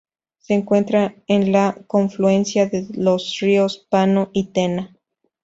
Se encuentra en la confluencia de los ríos Pano y Tena.